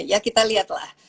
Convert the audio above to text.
ya kita lihat lah